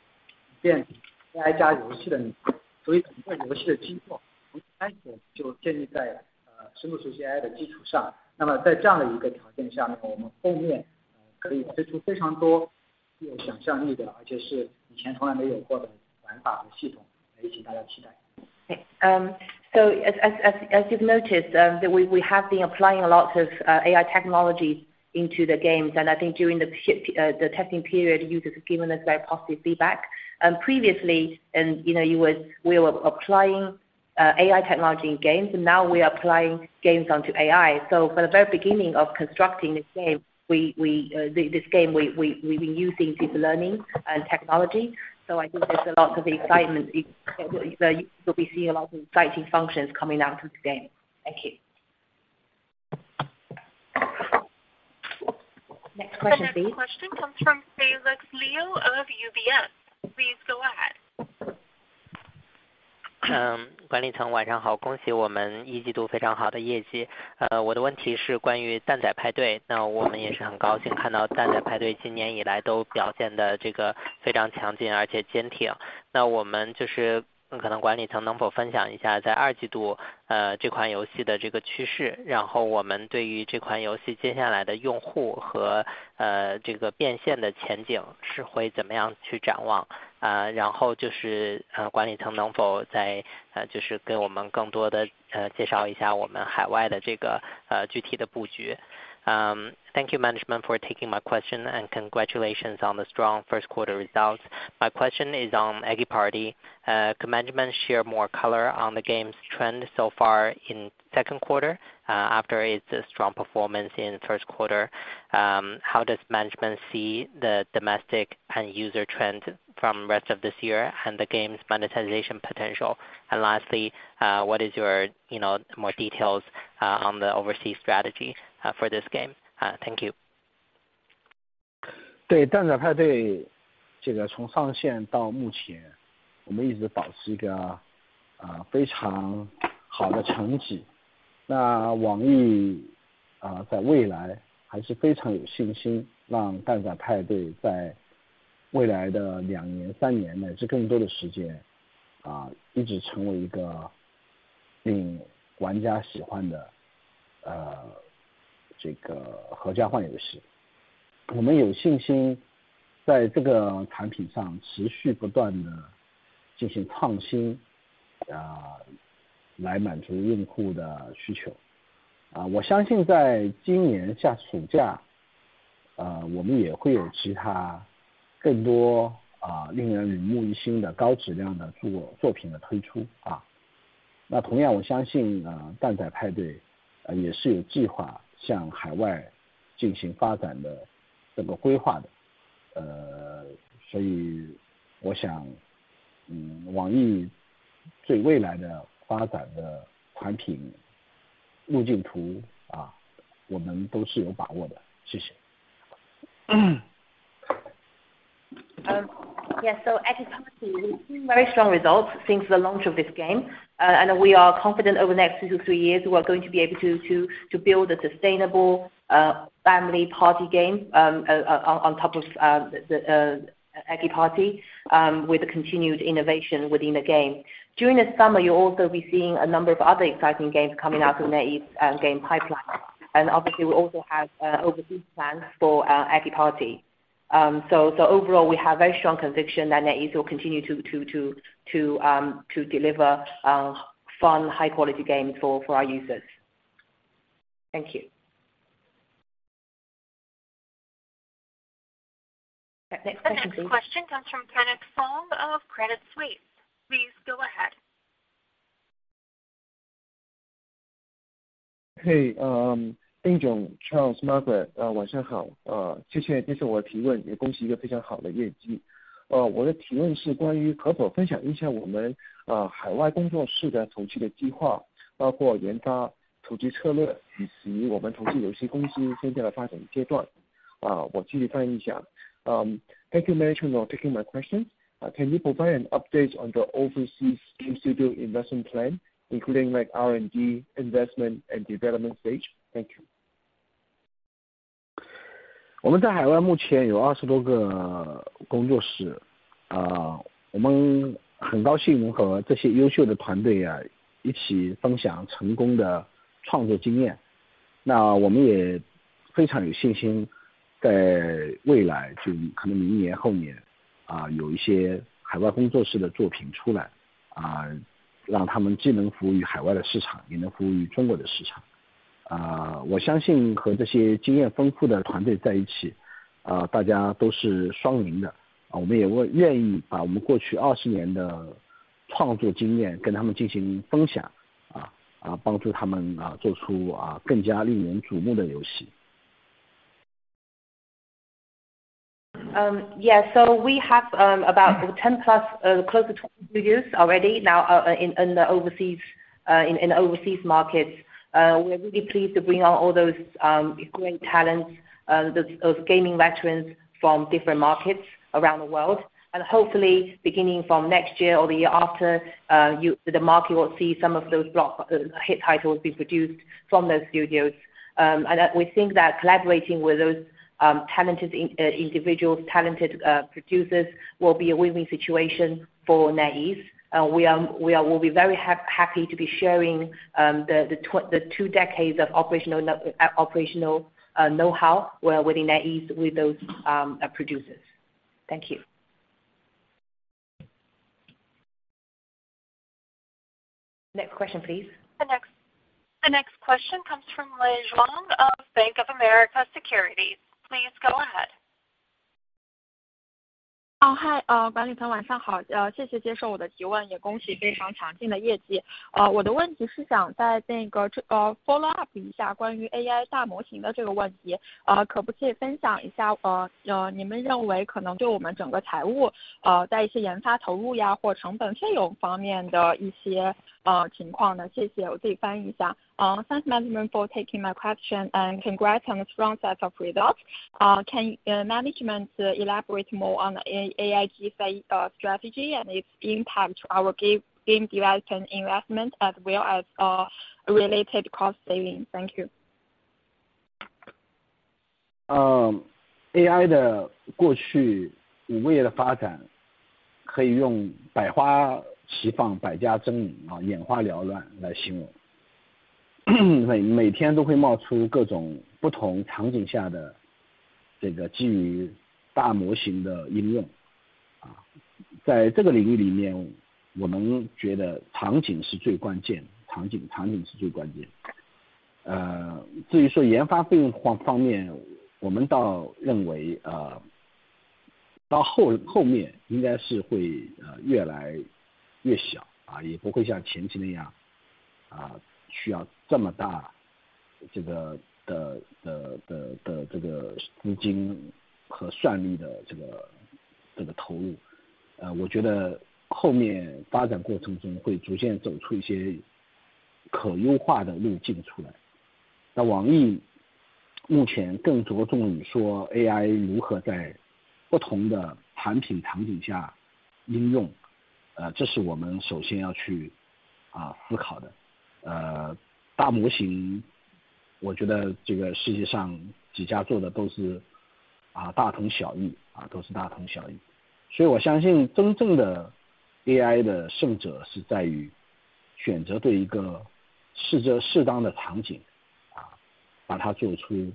变成 AI 加游戏 的， 所以整个游戏的基础从一开始我们就建立在 呃， 深度学习 AI 的基础上。那么在这样的一个条件下 面， 我们后面可以推出非常多具有想象力 的， 而且是以前从来没有过的玩法和系 统， 也请大家期待。As you've noticed, that we have been applying a lot of AI technology into the games, and I think during the testing period, users have given us very positive feedback. You know, you was we were applying AI technology in games, and now we are applying games onto AI. From the very beginning of constructing this game, we this game, we've been using deep learning and technology. I think there's a lot of excitement. You will be seeing a lot of exciting functions coming out of the game. Thank you. Next question, please. The next question comes from Felix Liu of UBS. Please go ahead. 嗯， 管理层晚上 好， 恭喜我们一季度非常好的业绩。呃， 我的问题是关于蛋仔派 对， 那我们也是很高兴看到蛋仔派对今年以来都表现得这个非常强劲而且坚挺。那我们就是可能管理层能否分享一下在二季 度， 呃， 这款游戏的这个趋 势， 然后我们对于这款游戏接下来的用户 和， 呃， 这个变现的前景是会怎么样去展 望， 啊， 然后就 是， 呃， 管理层能否 再， 呃， 就是给我们更多 的， 呃， 介绍一下我们海外的这 个， 呃， 具体的布局。Thank you management for taking my question and congratulations on the strong first quarter results. My question is on Eggy Party. Can management share more color on the game's trend so far in second quarter, after its strong performance in first quarter? How does management see the domestic and user trends from rest of this year and the game's monetization potential? Lastly, what is your, you know, more details on the overseas strategy for this game? Thank you. 对 Eggy Party，这 个从上线到目 前，我 们一直保持一个非常好的成 绩。NetEase 在未来还是非常有信心让 Eggy Party 在未来的2 年、3 年乃至更多的时 间，一 直成为一个令玩家喜欢的这个 family-friendly game。我 们有信心在这个产品上持续不断地进行创 新，来 满足用户的需求。我相信在今年夏暑 假，我 们也会有其他更多令人耳目一新的高质量的作品的推出。同样我相信 Eggy Party 也是有计划向 overseas 进行发展的这个规划的。我 想，NetEase 对未来的发展的产品路径 图，我 们都是有把握 的，谢 谢。Yes, so at Eggy Party, we've seen very strong results since the launch of this game, and we are confident over the next two to three years, we are going to be able to build a sustainable family party game on top of the Eggy Party with the continued innovation within the game. During the summer, you'll also be seeing a number of other exciting games coming out in the game pipeline. Obviously, we also have overseas plans for Eggy Party. Overall, we have very strong conviction that NetEase will continue to deliver fun, high-quality games for our users. Thank you. Next question, please. The next question comes from Kenneth Fong of Credit Suisse. Please go ahead. Hey, Charles, Margaret, 晚上 好！ 谢谢接受我的提 问， 也恭喜一个非常好的业绩。我的提问是关于是否分享一下我 们， 海外工作室的投资的计 划， 包括研发、投资策略以及我们投资游戏公司先后的发展阶段。我继续翻译一下。Thank you very much for taking my question. Can you provide an update on the overseas game studio investment plan, including like R&D, investment and development stage? Thank you. 我们在海外目前有20 多个 工作室，我们 很高兴和这些优秀的团队一起分享成功的创作 经验，那 我们也非常有 信心，在 未来，就 可能明年后年有一些海外工作室的作品 出来，让他们 既能服务于海外的 市场，也能 服务于中国的市场。我相信和这些经验丰富的团队 在一起，大家 都是双赢 的，我们 也会愿意把我们过去 20年的创作经验跟他们进行 分享，帮助 他们做出更加令人瞩目的游戏。Yeah, so we have, about 10+, close to 20 years already now, in the overseas, in overseas markets. We're really pleased to bring on all those great talents, those gaming veterans from different markets around the world. Hopefully, beginning from next year or the year after, the market will see some of those block hit titles being produced from those studios. We think that collaborating with those talented individuals, talented producers, will be a win-win situation for NetEase. We will be very happy to be sharing the two decades of operational know-how well within NetEase with those producers. Thank you. Next question, please. The next question comes from Lei Zhang of Bank of America Securities. Please go ahead. hi, 管理层晚上 好， 谢谢接受我的提 问， 也恭喜非常强劲的业绩。我的问题是想再那 个， follow up 一下关于 AI 大模型的这个问 题， 可不可以分享一 下， 你们认为可能对我们整个财 务， 在一些研发投入 呀， 或成本费用方面的一 些， 情况 呢？ 谢 谢， 我可以翻译一下。Thanks Management for taking my question and congrats on the strong set of results. Can management elaborate more on AI GI strategy and its impact to our game development investment as well as related cost savings? Thank you. AI 的过去5年的发展可以用百花齐 放， 百家争 鸣， 眼花缭乱来形容。每天都会冒出各种不同场景下的这个基于大模型的应用。在这个领域里 面， 我们觉得场景是最关 键， 场景是最关键。至于说研发费用方 面， 我们倒认 为， 到后面应该是会越来越 小， 也不会像前期那样需要这么大的这个资金和算力的这个投入。我觉得后面发展过程中会逐渐走出一些可优化的路径出来。NetEase 目前更着重于说 AI 如何在不同的产品场景下应 用， 这是我们首先要去思考的。大模 型， 我觉得这个世界上几家做的都是大同小异。我相信真正的 AI 的胜者是在于选择对一个适当的场 景， 把它做出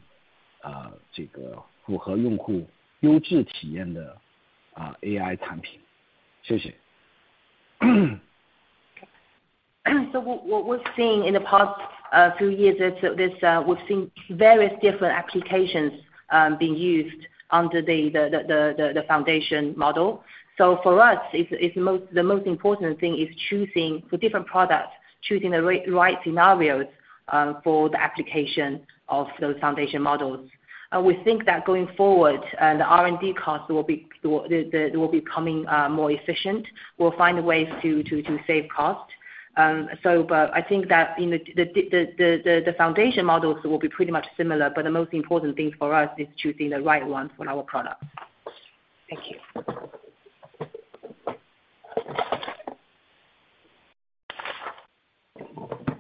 这个符合用户优质体验的 AI 产品。谢谢。What we've seen in the past few years is this, we've seen various different applications being used under the foundation model. For us, it's the most important thing is choosing for different products, choosing the right scenarios for the application of those foundation models. We think that going forward the R&D costs will be coming more efficient, we'll find ways to save cost. I think that in the foundation models will be pretty much similar, but the most important thing for us is choosing the right one for our products. Thank you.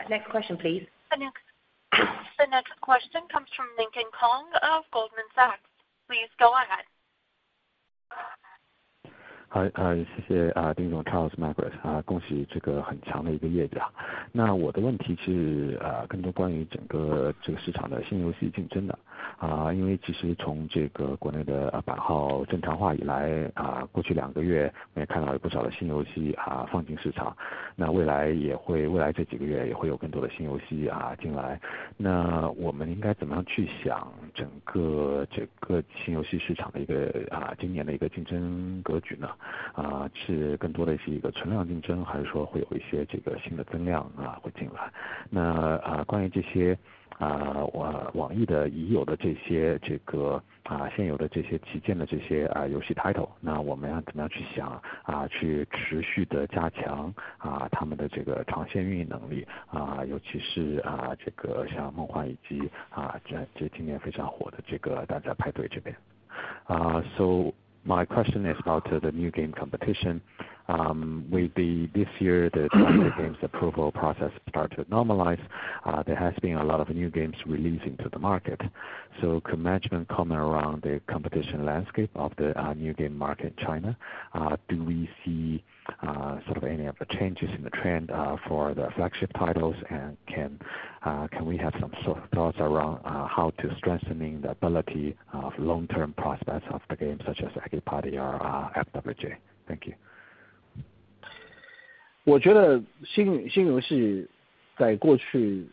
Next question, please. The next question comes from Lincoln Kong of Goldman Sachs. Please go ahead. 好，好，谢谢，丁总。Charles, Margaret，恭喜这个很强的一个业绩！那我的问题是，更多关于整个这个市场的新游戏竞争的。因为其实从这个国内的版号正常化以来，过去2个月我们也看到了不少的新游戏，放进市场，那未来也会，未来这几个月也会有更多的新游戏进来，那我们应该怎么样去想整个这个新游戏市场的一个，今年的一个竞争格局呢？是更多的是一个存量竞争，还是说会有一些这个新的增量会进来。那关于这些，NetEase的已有的这些，这个，现有的这些旗舰的这些游戏 title，那我们要怎么样去想，去持续地加强，他们的这个长线运营能力，尤其是，这个像梦幻以及，这今年非常火的这个大家排队这边。My question is about the new game competition with this year, the games approval process start to normalize, there has been a lot of new games releasing to the market. Could management comment around the competition landscape of the new game market China? Do we see sort of any of the changes in the trend for the flagship titles? Can we have some sort of thoughts around how to strengthening the ability of long-term prospects of the game, such as Eggy Party or FWJ? Thank you. 我觉得新游戏在过去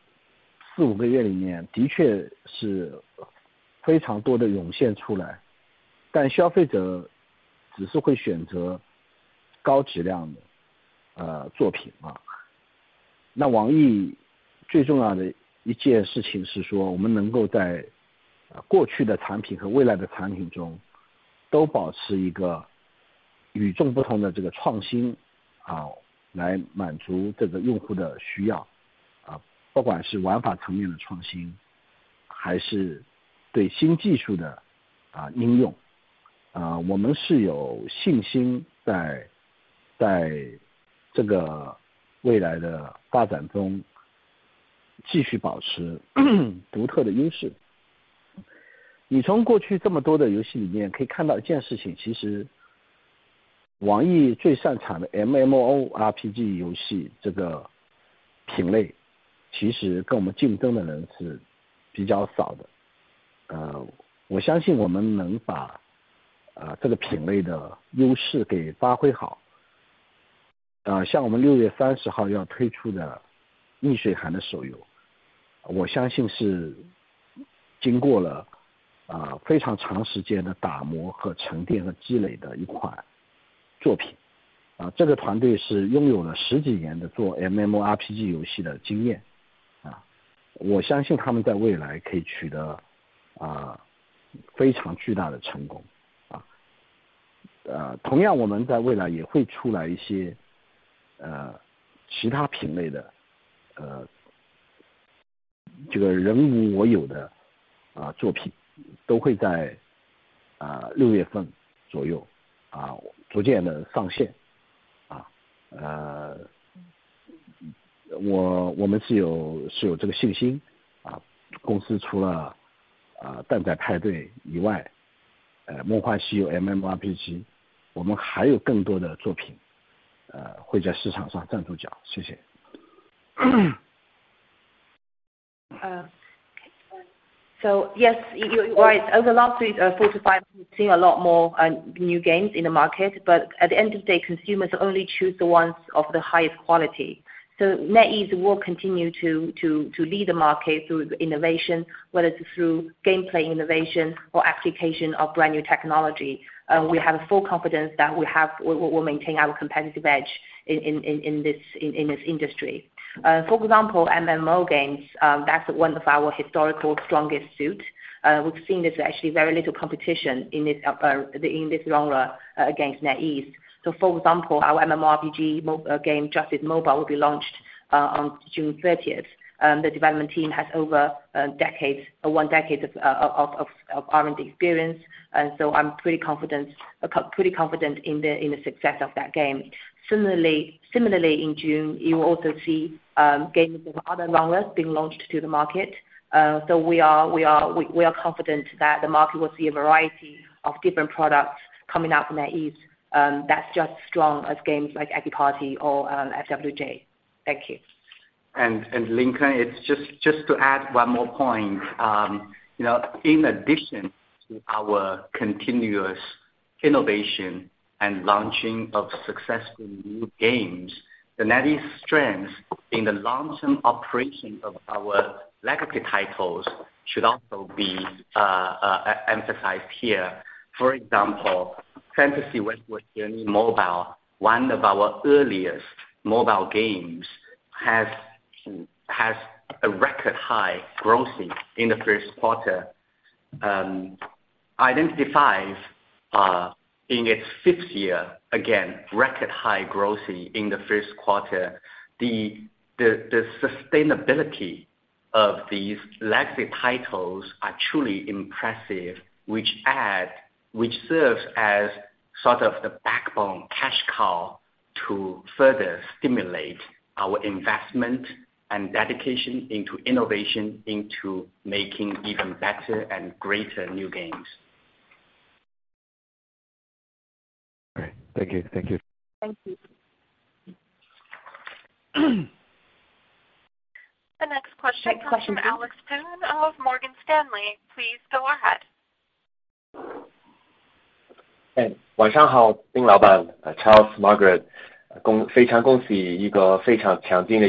四五个月里 面， 的确是非常多的涌现出 来， 但消费者只是会选择高质量的作品 啊。... 那网易最重要的一件事情是 说， 我们能够在过去的产品和未来的产品中都保持一个与众不同的这个创 新， 啊， 来满足这个用户的需要。啊， 不管是玩法层面的创 新， 还是对新技术 的， 啊应 用， 啊我们是有信心在，在这个未来的发展中继续保持独特的优势。你从过去这么多的游戏里面可以看到一件事 情， 其实网易最擅长的 MMORPG 游戏这个品 类， 其实跟我们竞争的人是比较少的。呃， 我相信我们能 把， 啊这个品类的优势给发挥好。呃， 像我们六月三十号要推出的逆水寒的手 游， 我相信是经过 了， 啊非常长时间的打磨和沉淀和积累的一款作品。啊， 这个团队是拥有了十几年的做 MMORPG 游戏的经 验， 啊。我相信他们在未来可以取 得， 啊， 非常巨大的成功啊。呃， 同 样， 我们在未来也会出来一 些， 呃， 其他品类 的， 呃， 这个人无我有的 啊， 作品都会 在， 啊六月份左 右， 啊， 逐渐地上线啊。呃， 我-我们是 有， 是有这个信心啊。公司除 了， 啊蛋仔派对以 外， 呃， 梦幻西游 ，MMORPG， 我们还有更多的作品， 呃， 会在市场上站住脚。谢谢。Yes, you are right. Over the last four to five, we've seen a lot more new games in the market, but at the end of the day, consumers only choose the ones of the highest quality. NetEase will continue to lead the market through innovation, whether it's through gameplay innovation or application of brand new technology. We have full confidence that we will maintain our competitive edge in this industry. For example, MMO games, that's one of our historical strongest suit. We've seen there's actually very little competition in this genre, against NetEase. For example, our MMORPG game, Justice Mobile, will be launched on June 30th. The development team has over one decade of R&D experience, and so I'm pretty confident in the success of that game. Similarly, in June, you will also see games of other genres being launched to the market. We are confident that the market will see a variety of different products coming out from NetEase, that's just strong as games like Eggy Party or FWJ. Thank you. Lincoln, it's just to add one more point. You know, in addition to our continuous innovation and launching of successful new games, the NetEase strength in the long-term operation of our legacy titles should also be emphasized here. For example, Fantasy Westward Journey Mobile, one of our earliest mobile games, has a record-high grossing in the first quarter. Identity V, in its fifth year, again, record high grossing in the first quarter. The sustainability of these legacy titles are truly impressive, which serves as sort of the backbone cash cow to further stimulate our investment and dedication into innovation, into making even better and greater new games. All right. Thank you. Thank you. Thank you. The next question comes from Alex Poon of Morgan Stanley. Please go ahead. 哎， 晚上 好， 丁老板 ，Charles，Margaret， 恭， 非常恭喜一个非常强劲的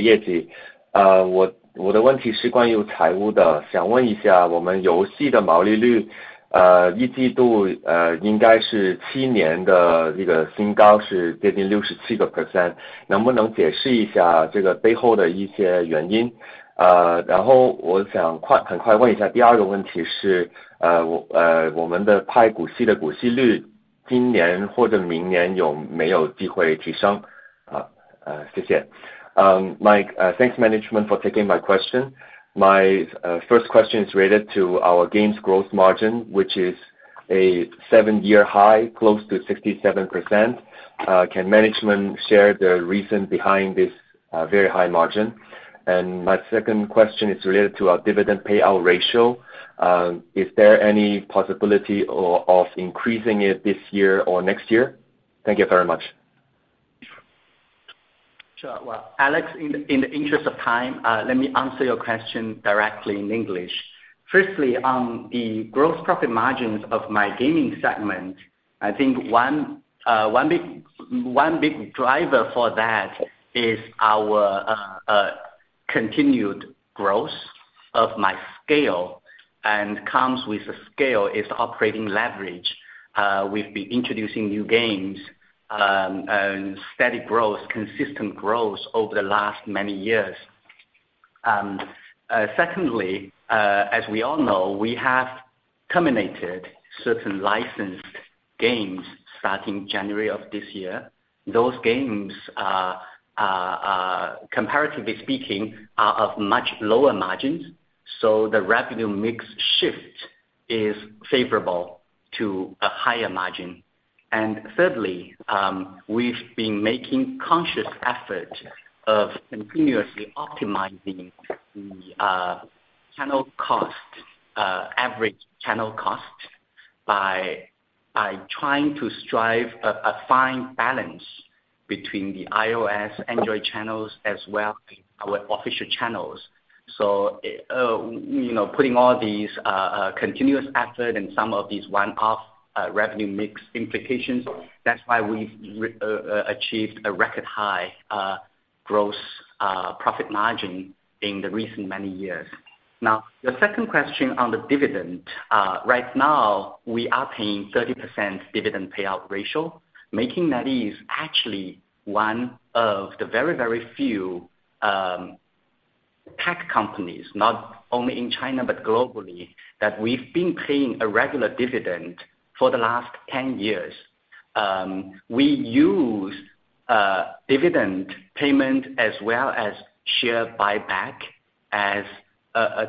业绩。呃， 我-我的问题是关于财务 的， 想问一 下， 我们游戏的毛利 率， 呃， 一季 度， 呃， 应该是七年的这个新 高， 是接近六十七个 percent， 能不能解释一下这个背后的一些原 因？ 呃， 然后我想 快， 很快问一 下， 第二个问题 是， 呃， 我， 呃， 我们的派股息的股息 率， 今年或者明年有没有机会提 升？ 好， 呃， 谢谢。Mike, uh, thanks, management for taking my question. My first question is related to our games growth margin, which is a seven-year high, close to 67%. Can management share the reason behind this very high margin? My second question is related to our dividend payout ratio. Is there any possibility of increasing it this year or next year? Thank you very much. Sure. Well, Alex, in the interest of time, let me answer your question directly in English. Firstly, on the gross profit margins of my gaming segment, I think one big driver for that is our continued growth of my scale and comes with a scale is the operating leverage. We've been introducing new games and steady growth, consistent growth over the last many years. Secondly, as we all know, we have terminated certain licensed games starting January of this year. Those games, comparatively speaking, are of much lower margins, so the revenue mix shift is favorable to a higher margin. Thirdly, we've been making conscious effort of continuously optimizing the channel cost, average channel cost, by trying to strive a fine balance between the iOS, Android channels, as well as our official channels. You know, putting all these continuous effort and some of these one-off revenue mix implications, that's why we've achieved a record high gross profit margin in the recent many years. Now, the second question on the dividend. Right now, we are paying 30% dividend payout ratio, making that is actually one of the very, very few tech companies, not only in China, but globally, that we've been paying a regular dividend for the last 10 years. payment as well as share buyback as a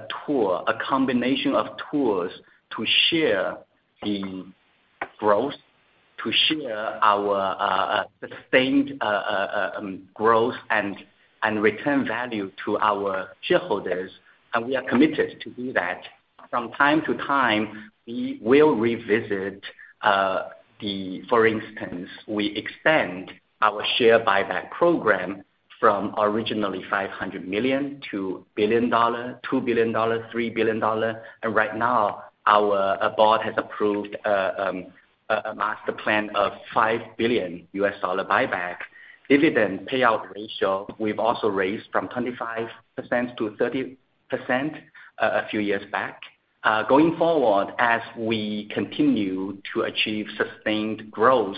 combination of tools to share the growth, to share our sustained growth and return value to our shareholders, and we are committed to do that. From time to time, we will revisit. For instance, we extended our share buyback program from originally $500 million to $1 billion, $2 billion, $3 billion, and right now our board has approved a master plan of $5 billion U.S. dollar buyback. Dividend payout ratio, we've also raised from 25% to 30% a few years back Going forward, as we continue to achieve sustained growth,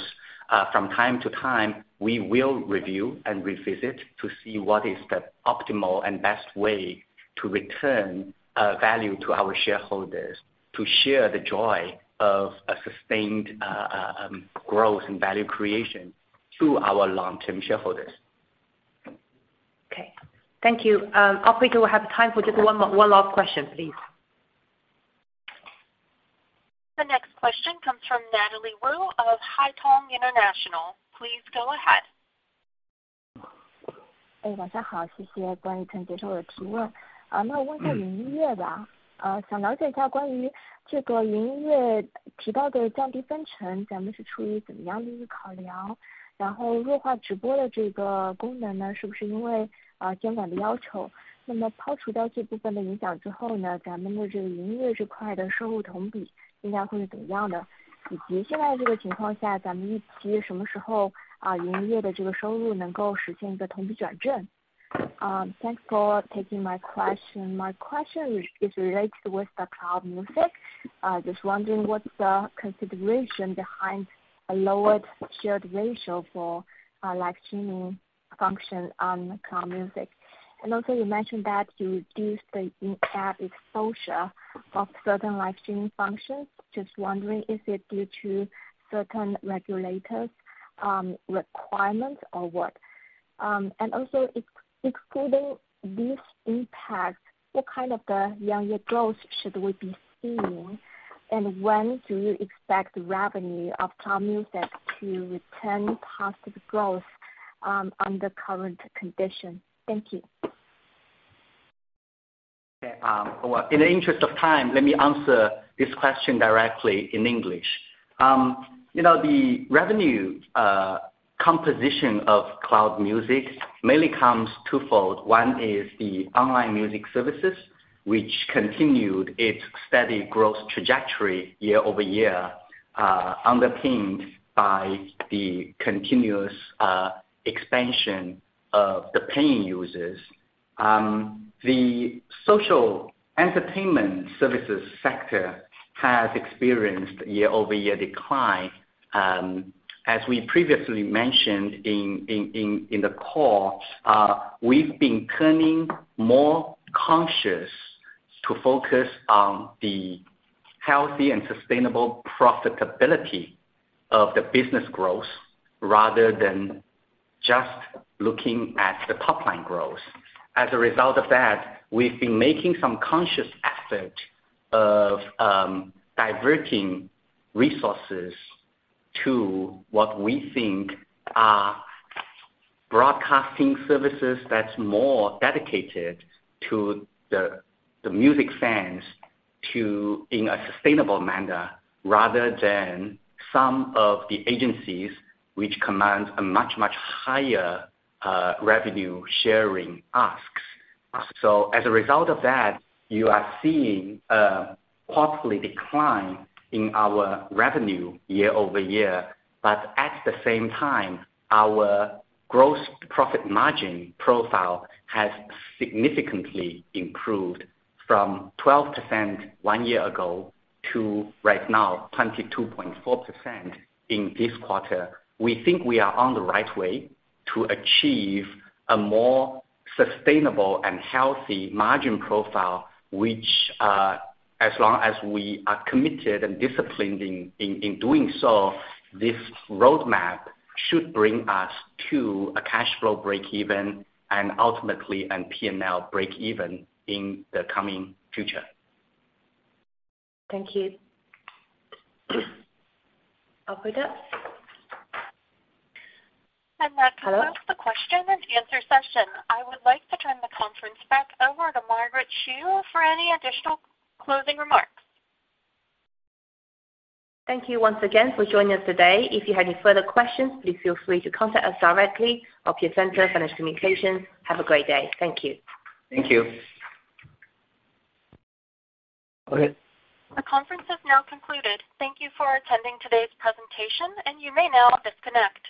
from time to time, we will review and revisit to see what is the optimal and best way to return value to our shareholders, to share the joy of a sustained growth and value creation to our long-term shareholders. Okay. Thank you. Operator, we have time for just one more, one last question, please. The next question comes from Natalie Wu of Haitong International. Please go ahead. Hey, thanks for taking my question. My question is related with the Cloud Music. Just wondering what's the consideration behind a lowered shared ratio for live streaming function on Cloud Music? Also, you mentioned that you reduced the exposure of certain live streaming functions. Just wondering if it's due to certain regulators' requirements or what? Also, excluding this impact, what kind of the year-on-year growth should we be seeing? When do you expect the revenue of Cloud Music to return positive growth on the current condition? Thank you. Well, in the interest of time, let me answer this question directly in English. You know, the revenue composition of Cloud Music mainly comes twofold. One is the online music services, which continued its steady growth trajectory year-over-year, underpinned by the continuous expansion of the paying users. The social entertainment services sector has experienced year-over-year decline. As we previously mentioned in the call, we've been becoming more conscious to focus on the healthy and sustainable profitability of the business growth, rather than just looking at the top-line growth. As a result of that, we've been making some conscious effort of diverting resources to what we think are broadcasting services that's more dedicated to the music fans in a sustainable manner, rather than some of the agencies which command a much, much higher revenue sharing asks. As a result of that, you are seeing a quarterly decline in our revenue year-over-year, at the same time, our gross profit margin profile has significantly improved from 12% one year ago, to right now, 22.4% in this quarter. We think we are on the right way to achieve a more sustainable and healthy margin profile, which, as long as we are committed and disciplined in doing so, this roadmap should bring us to a cash flow break even ultimately, P&L break even in the coming future. Thank you. Operator? That concludes the question-and-answer session. I would like to turn the conference back over to Margaret Shi for any additional closing remarks. Thank you once again for joining us today. If you have any further questions, please feel free to contact us directly or Piacente Financial Communications. Have a great day. Thank you. Thank you. The conference has now concluded. Thank you for attending today's presentation, and you may now disconnect.